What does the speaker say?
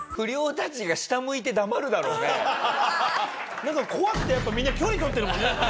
なんか怖くてやっぱみんな距離とってるもんね。